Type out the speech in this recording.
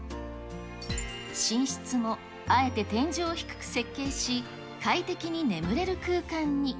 寝室もあえて天井を低く設計し、快適に眠れる空間に。